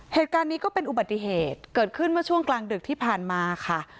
เหตุการณ์นี้ก็เป็นอุบัติเหตุเกิดขึ้นเมื่อช่วงกลางดึกที่ผ่านมาค่ะ